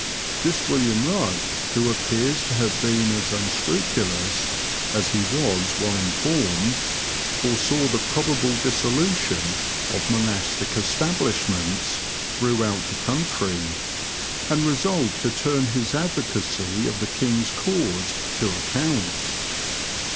This William Bugg, who appears to have been as unscrupulous as he was well informed, foresaw the probable dissolution of monastic establishments throughout the country, and resolved to turn his advocacy of the King's cause to account.